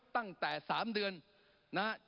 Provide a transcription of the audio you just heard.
ตั้งแต่๓เดือน